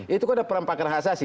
itu kan ada perampakan hajasnya sih